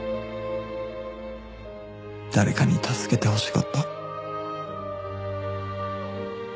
誰かに助けてほしかった